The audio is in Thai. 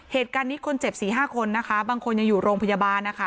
เหตุการณ์นี้คนเจ็บสี่ห้าคนนะคะบางคนยังอยู่โรงพยาบาลนะคะ